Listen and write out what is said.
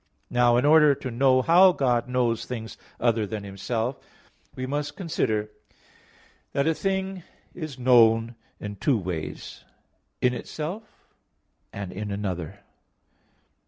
Now in order to know how God knows things other than Himself, we must consider that a thing is known in two ways: in itself, and in another.